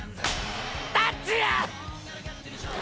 タッチや！！